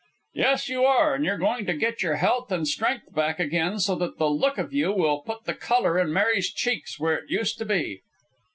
"Yes you are, and you're going to get your health and strength back again, so that the look of you will put the colour in Mary's cheeks where it used to be."